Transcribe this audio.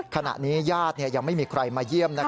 ขณะนี้ญาติยังไม่มีใครมาเยี่ยม